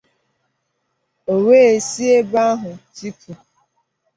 o wee si ebe ahụ tipù